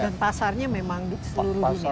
dan pasarnya memang di seluruh dunia